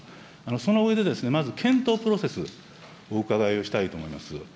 その上で、まず検討プロセス、お伺いをしたいと思います。